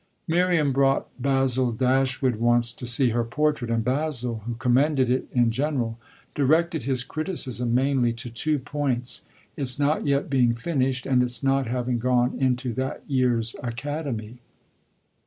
Miriam brought Basil Dashwood once to see her portrait, and Basil, who commended it in general, directed his criticism mainly to two points its not yet being finished and its not having gone into that year's Academy.